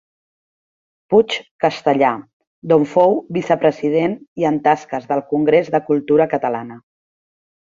Puig Castellar, d'on fou vicepresident, i en tasques del Congrés de Cultura Catalana.